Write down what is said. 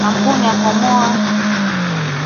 Kampuni kamoa inaongozwa na wa zungu